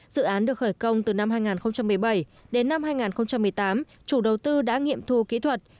dự án được khởi công từ năm hai nghìn một mươi bảy đến năm hai nghìn một mươi tám chủ đầu tư đã nghiệm thu kỹ thuật